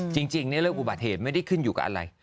จริงเรื่องอุบัติเหตุไม่ได้ขึ้นอยู่กับอะไร